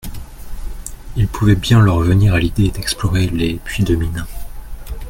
Il pouvait bien leur venir à l'idée d'explorer les puits de mine.